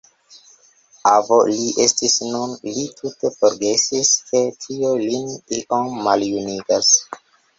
Avo li estis nun; li tute forgesis, ke tio lin iom maljunigas.